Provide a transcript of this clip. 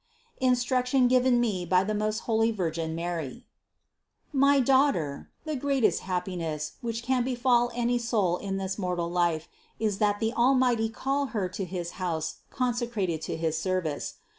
INSTRUCTION GIVEN ME BY THE MOST HOLY VIRGIN MARY. 426. My daughter, the greatest happiness, which can befall any soul in this mortal life, is that the Almighty call her to his house consecrated to his service.